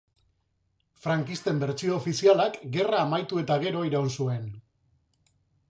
Frankisten bertsio ofizialak gerra amaitu eta gero iraun zuen.